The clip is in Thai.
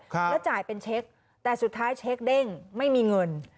แล้วจ่ายเป็นเช็คแต่สุดท้ายเช็คเด้งไม่มีเงิน